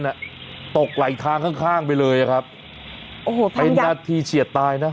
น่ะตกไหลทางข้างข้างไปเลยอะครับโอ้โหเป็นนาทีเฉียดตายนะ